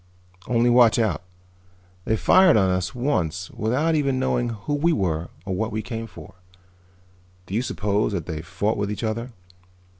"Only watch out. They fired on us once without even knowing who we were or what we came for. Do you suppose that they fought with each other?